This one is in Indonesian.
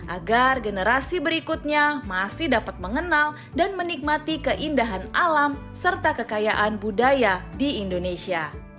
agar generasi berikutnya masih dapat mengenal dan menikmati keindahan alam serta kekayaan budaya di indonesia